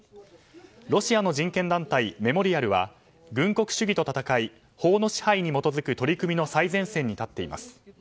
ロシアの人権団体メモリアルは軍国主義と戦い法の支配に基づく取り組みの最前線に立っています。